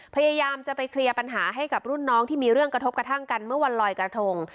พยายามจะไปเคลียร์ปัญหาให้กับรุ่นน้องที่มีเรื่องกระทบกระทั่งกันเมื่อวันลอยกระทง